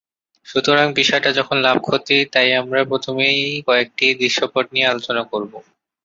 সুতরাং বিষয়টা যখন লাভ-ক্ষতির, তাই আমরা প্রথমেই কয়েকটি দৃশ্যপট নিয়ে আলোচনা করবো।